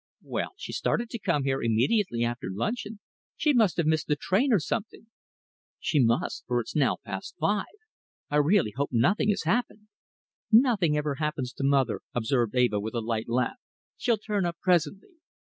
"Well, she started to come here immediately after luncheon. She must have missed the train or something." "She must, for it's now past five. I really hope nothing has happened." "Nothing ever happens to mother," observed Eva, with a light laugh. "She'll turn up presently."